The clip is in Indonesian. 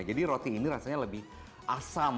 jadi roti ini rasanya lebih asam